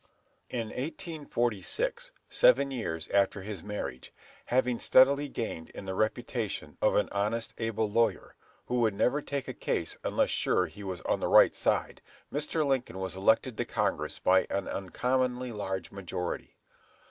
In 1846, seven years after his marriage, having steadily gained in the reputation of an honest, able lawyer, who would never take a case unless sure he was on the right side, Mr. Lincoln was elected to Congress by an uncommonly large majority.